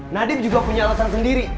nadiem juga punya alasan sendiri